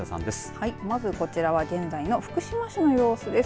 はい、まずはこちらは現在の福島市の様子です。